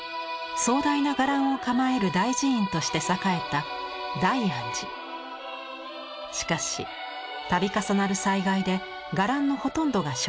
壮大な伽藍を構える大寺院として栄えたしかし度重なる災害で伽藍のほとんどが焼失縮小してしまいます。